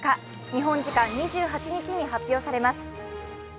日本時間２８日に発表されます。